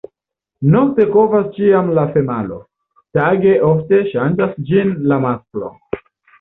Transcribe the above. Nokte kovas ĉiam la femalo, tage ofte ŝanĝas ĝin la masklo.